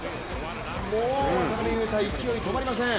もう渡邊雄太勢い止まりません。